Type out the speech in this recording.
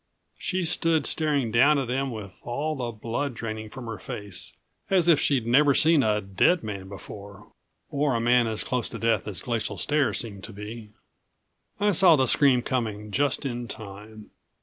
She stood staring down at him with all the blood draining from her face, as if she'd never seen a dead man before or a man as close to death as Glacial Stare seemed to be. I saw the scream coming just in time.